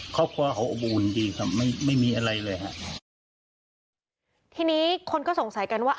ครอบครัวเขาอบอุ่นดีครับไม่ไม่มีอะไรเลยฮะทีนี้คนก็สงสัยกันว่า